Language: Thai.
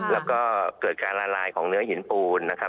แล้วก็เกิดการละลายของเนื้อหินปูนนะครับ